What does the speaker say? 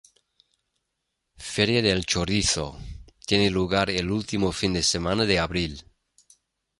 Feria del Chorizo: Tiene lugar el último fin de semana de abril.